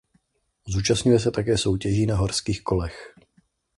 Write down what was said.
Zúčastňuje se také soutěží na horských kolech.